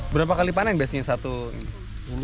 berapa kali panen biasanya satu ini